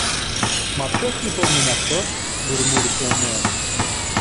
Μα ποιος λοιπόν είναι αυτός; μουρμούρισε ο νέος.